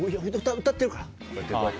歌ってるからって。